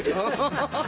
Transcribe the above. ハハハ！